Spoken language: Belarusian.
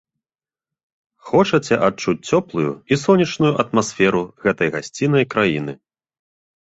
Хочаце адчуць цёплую і сонечную атмасферу гэтай гасціннай краіны?